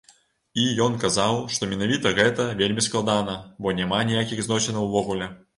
І ён казаў, што менавіта гэта вельмі складана, бо няма ніякіх зносінаў увогуле.